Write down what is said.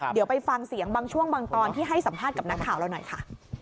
เดี๋ยวไปฟังเสียงบางช่วงบางตอนที่ให้สัมภาษณ์กับนักข่าวเราหน่อยค่ะ